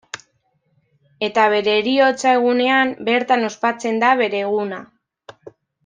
Eta bere heriotza egunean bertan ospatzen da bere eguna.